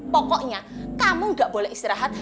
pokoknya kamu gak boleh istirahat